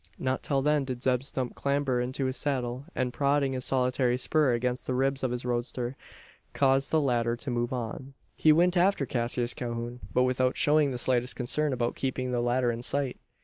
Not till then did Zeb Stump clamber into his saddle; and, "prodding" his solitary spur against the ribs of his roadster, cause the latter to move on. He went after Cassius Calhoun; but without showing the slightest concern about keeping the latter in sight!